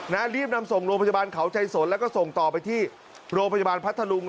รีบนำส่งโรงพยาบาลเขาใจสนแล้วก็ส่งต่อไปที่โรงพยาบาลพัทธลุง